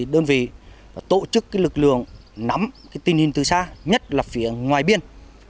đơn vị tổ chức lực lượng nắm tình hình từ xa nhất là phía ngoài biên